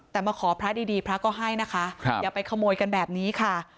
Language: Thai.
แต่มาขอพระดีพระก็ให้นะคะอย่าไปขโมยกันแบบนี้ค่ะ